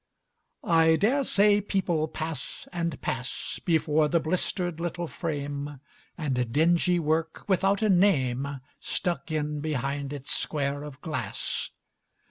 I dare say people pass and pass Before the blistered little frame, And dingy work without a name Stuck in behind its square of glass.